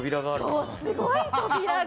すごい扉が。